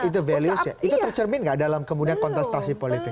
itu tercermin nggak dalam kemudian kontestasi politik